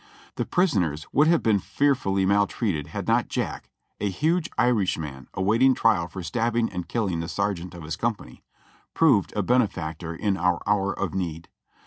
The prisoners would have been fearfully maltreated had not Jack^ a huge Irishman awaiting trial for stabbing and killing the ser geant of his company, proved a benefactor in our hour of need.